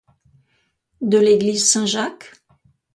De l’église Saint-Jacques?